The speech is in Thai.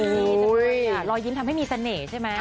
รอยยิ้มทำให้มีเสน่ห์ใช่ไหม